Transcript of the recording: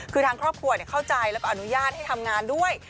คือทางครอบครัวเข้าใจแล้วก็อนุญาตให้ทำงานด้วย